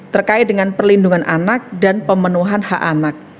terkait dengan perlindungan anak dan pemenuhan hak anak